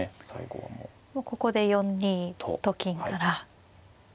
ここで４二と金から。